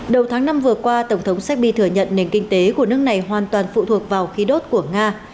đầu tháng năm vừa qua tổng thống serbi thừa nhận nền kinh tế của nước này hoàn toàn phụ thuộc vào khí đốt của nga